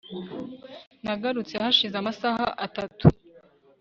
nagarutse hashize amasaha atatu